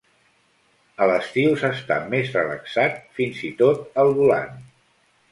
A l'estiu s'està més relaxat, fins i tot al volant.